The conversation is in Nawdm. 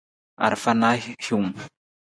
Arafa na hiwung.